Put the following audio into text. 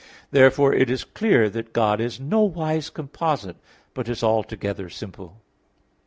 Therefore, it is clear that God is nowise composite, but is altogether simple.